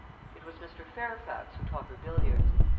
It was Mr. Fairfax who taught her billiards.